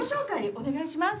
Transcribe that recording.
お願いします